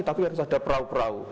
tapi harus ada perahu perahu